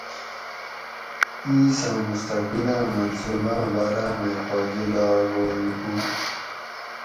ایس آں مستقبلاۤں منصوباۤں باراۤ مئی پا جولاگ اوئے ہُو